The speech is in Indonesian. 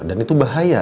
dan itu bahaya